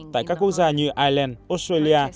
tại các quốc gia như ireland australia